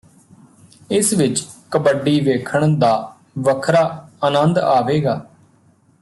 ਇਸ ਵਿਚ ਕਬੱਡੀ ਵੇਖਣ ਦਾ ਵੱਖਰਾ ਅਨੰਦ ਆਵੇਗਾ